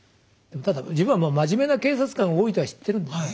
ただ自分は真面目な警察官が多いとは知ってるんですね。